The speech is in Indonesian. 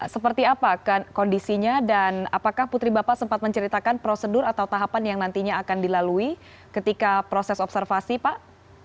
seperti apa kondisinya dan apakah putri bapak sempat menceritakan prosedur atau tahapan yang nantinya akan dilalui ketika proses observasi pak